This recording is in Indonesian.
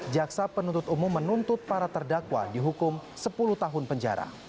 jaksa penuntut umum menuntut para terdakwa dihukum sepuluh tahun penjara